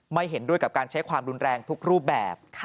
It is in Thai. เห็นด้วยกับการใช้ความรุนแรงทุกรูปแบบ